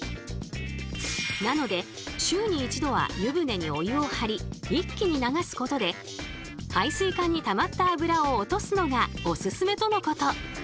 なので週に１度は湯船にお湯をはり一気に流すことで排水管にたまったあぶらを落とすのがオススメとのこと。